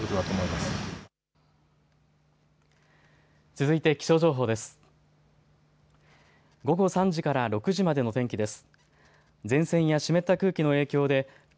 続いて気象情報です。